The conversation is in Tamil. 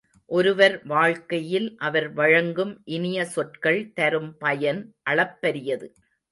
ஒருவர் வாழ்க்கையில் அவர் வழங்கும் இனிய சொற்கள் தரும் பயன் அளப்பரியது.